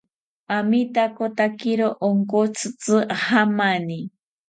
Amitakotakiro onkotzitzi jamani